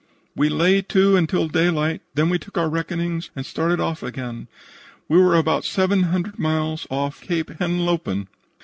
We lay to until daylight; then we took our reckonings and started off again. We were about 700 miles off Cape Henlopen.